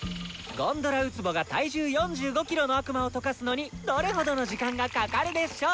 ゴンドラウツボが体重４５ｋｇの悪魔を溶かすのにどれほどの時間がかかるでしょう？